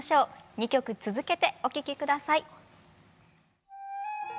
２曲続けてお聴き下さい。